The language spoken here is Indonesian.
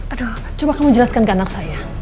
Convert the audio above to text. aduh coba kamu jelaskan ke anak saya